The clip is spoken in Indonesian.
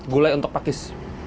gulai untuk pakis